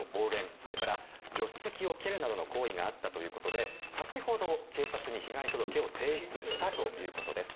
それから助手席を蹴るなどの行為があったということで先ほど、警察に被害届を提出したということです。